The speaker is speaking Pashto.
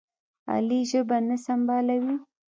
علي ژبه نه سنبالوي.